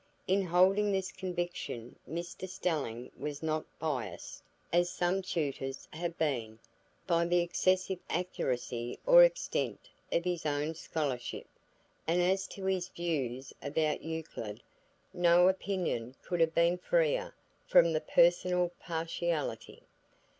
In holding this conviction Mr Stelling was not biassed, as some tutors have been, by the excessive accuracy or extent of his own scholarship; and as to his views about Euclid, no opinion could have been freer from personal partiality.